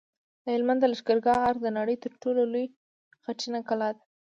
د هلمند د لښکرګاه ارک د نړۍ تر ټولو لوی خټین کلا ده